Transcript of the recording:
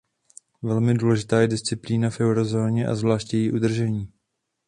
Velmi důležitá je disciplína v eurozóně a zvláště její udržení.